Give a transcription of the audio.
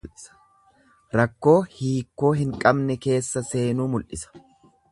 Rakkoo hiikkoo hin qabne keessa seenuu mul'isa.